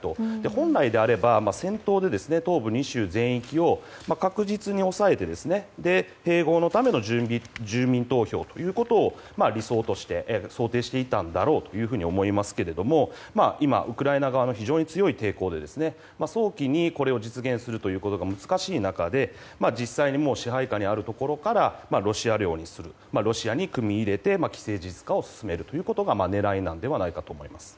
本来、戦闘で東部２州全域を確実に抑えて、併合のための住民投票ということを理想として想定していたんだろうと思いますけれども今、ウクライナ側の非常に強い抵抗で早期にこれを実現することが難しい中で実際に支配下にあるところからロシア領にして組み入れて既成事実にして進めるということが狙いなのではと思います。